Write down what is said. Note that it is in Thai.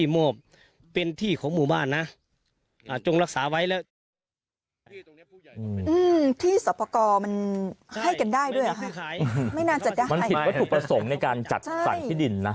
มันถึงว่าถูกประสงค์ในการจัดสรรพิธีดินนะ